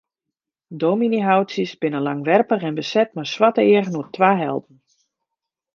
Dominyshoutsjes binne langwerpich en beset mei swarte eagen oer twa helten.